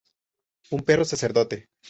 Un perro sacerdote.